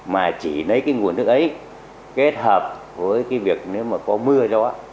mà chỉ lấy cái nguồn nước ấy kết hợp với cái việc nếu mà có mưa gió